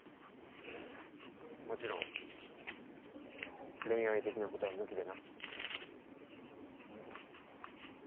もちろん恋愛的なことは抜きでな。